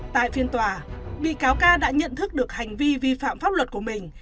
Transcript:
tại phiên tòa bị cáo ca đã nhận thức được hành vi vi phạm pháp luật của mình